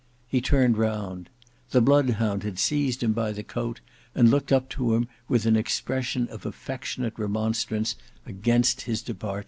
He turned round. The bloodhound had seized him by the coat and looked up to him with an expression of affectionate remonstrance against his departure.